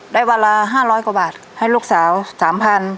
ได้วันละห้าร้อยกว่าบาทให้ลูกสาวสามพัน